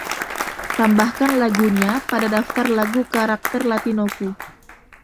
Tambahkan lagunya pada daftar lagu carácter latinoku.